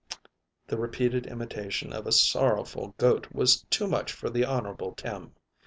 The repeated imitation of a sorrowful goat was too much for the Honorable Tim.